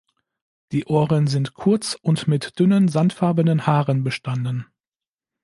Die Ohren sind kurz und mit dünnen sandfarbenen Haaren bestanden.